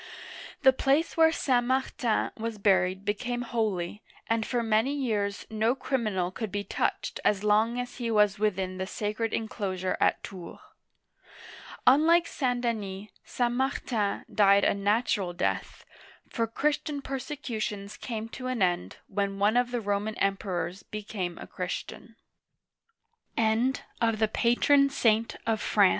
The place where St. Martin was buried became holy, and for many years no criminal could be touched as long as he was within the sacred inclosure at Tours. Unlike Digitized by Google THK FRANKS 41 St. Denis, St. Martin died a natural death, for Christian persecutions came to an end when one of the Roman Emperors became a Christian (312).